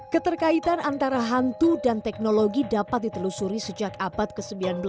keterkaitan antara hantu dan teknologi dapat ditelusuri sejak abad ke sembilan belas